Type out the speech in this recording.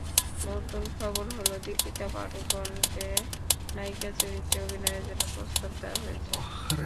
নতুন খবর হলো, দীপিকা পাড়ুকোনকে নায়িকা চরিত্রে অভিনয়ের জন্য প্রস্তাব দেওয়া হয়েছে।